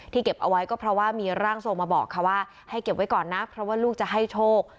เก็บเอาไว้ก็เพราะว่ามีร่างทรงมาบอกค่ะว่าให้เก็บไว้ก่อนนะเพราะว่าลูกจะให้โชค